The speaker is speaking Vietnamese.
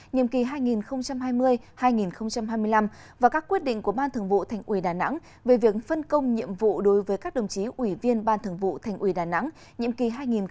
nhiệm kỳ hai nghìn hai mươi hai nghìn hai mươi năm và các quyết định của ban thường vụ thành ủy đà nẵng về việc phân công nhiệm vụ đối với các đồng chí ủy viên ban thường vụ thành ủy đà nẵng nhiệm kỳ hai nghìn hai mươi hai nghìn hai mươi năm